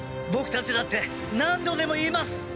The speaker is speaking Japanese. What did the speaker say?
僕たちだって何度でも言います。